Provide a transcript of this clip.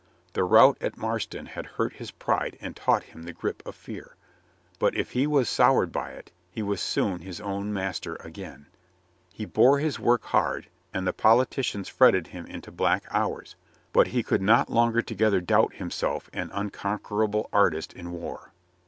The rout at Marston had hurt his pride and taught him the grip of fear. But if he was soured by it, he was soon his own master again. He INGEMINATING PEACE i6i bore his work hard and the politicians fretted him into black hours, but he could not long together doubt himself an unconquerable artist in war.